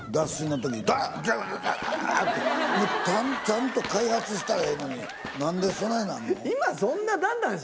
ちゃんと開発したらええのに何でそないなるの？